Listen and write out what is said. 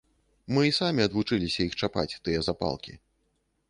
Мы і самі адвучыліся іх чапаць, тыя запалкі.